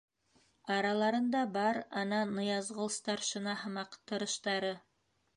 Араларында бар ана Ныязғол старшина һымаҡ тырыштары.